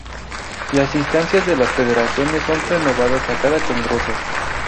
Las instancias de las federaciones son renovadas a cada congreso.